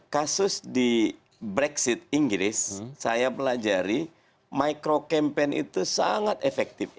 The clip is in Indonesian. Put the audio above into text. kasus di brexit inggris saya pelajari micro campaign itu sangat efektif